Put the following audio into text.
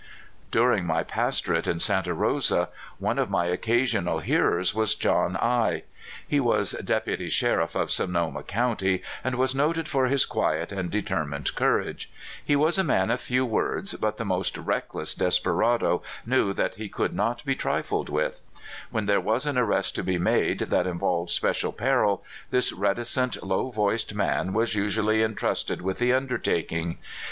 During my pastorate at Santa Rosa one of my occasional hearers was John I . He was dep uty sheriff of Sonoma County, and was noted for his quiet and determined courage. He was a man of few words, but the most reckless desperado knew that he could not be trifled with. When there was an arrest to be made that involved spe cial peril, this reticent, low voiced man was usually intrusted with the undertaking.